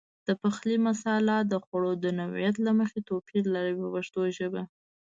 د پخلي مساله د خوړو د نوعیت له مخې توپیر لري په پښتو ژبه.